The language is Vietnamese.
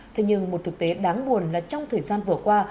thế nhưng một thực tế đáng buồn là trong thời gian vừa qua